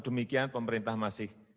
demikian pemerintah masih